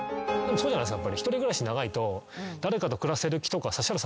合うじゃないですか。